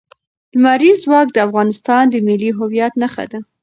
لمریز ځواک د افغانستان د ملي هویت نښه ده.